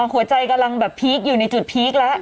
อ๋อหัวใจกำลังแบบพีคอยู่ในจุดพีคแล้ว